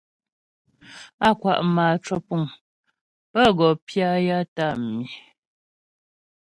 Á kwa' mâ cwəpuŋ pə wɔ pya ya tə́ á mǐ̃.